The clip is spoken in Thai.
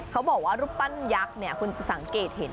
เขาบอกว่ารูปปั้นยักษ์คุณจะสังเกตเห็น